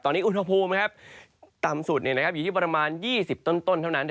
ตอนนี้อุณหภูมินะครับต่ำสุดเนี่ยนะครับอยู่ที่ประมาณ๒๐ต้นเท่านั้น